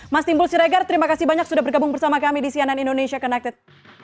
mas timbul siregar terima kasih banyak sudah bergabung bersama kami di cnn indonesia connected